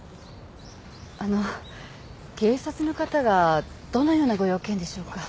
あの警察の方がどのようなご用件でしょうか？